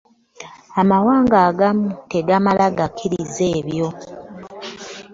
Amawanga agamu tegamala gakkiriza ebyo.